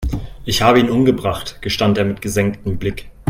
"Ich habe ihn umgebracht", gestand er mit gesenktem Blick.